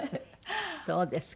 そうですか。